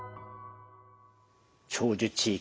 長寿地域